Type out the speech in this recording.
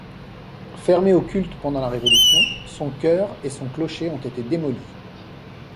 Fermée au culte pendant la Révolution, son chœur et son clocher ont été démolis.